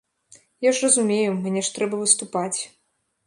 Я ж разумею, мне ж трэба выступаць.